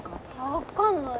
分かんない。